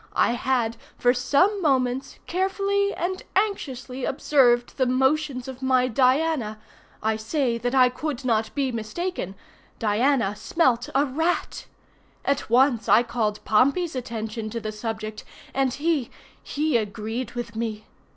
I had, for some moments, carefully and anxiously observed the motions of my Diana—I say that I could not be mistaken—Diana smelt a rat! At once I called Pompey's attention to the subject, and he—he agreed with me.